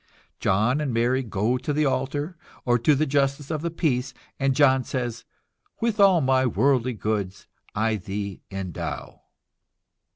John and Mary go to the altar, or to the justice of the peace, and John says: "With all my worldly goods I thee endow."